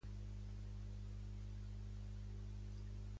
Puc escoltar una cançó dels vuitanta a Zvooq?